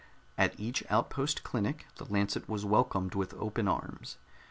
At each outpost clinic the Lancet was welcomed with open arms.